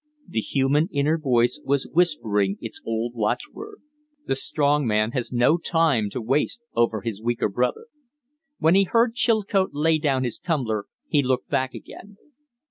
The human, inner voice was whispering its old watchword. The strong man has no time to waste over his weaker brother! When he heard Chilcote lay down his tumbler he looked back again.